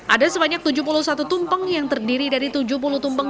ada sebanyak tujuh puluh satu tumpeng yang terdiri dari tujuh puluh tumpeng